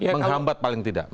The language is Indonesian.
menghambat paling tidak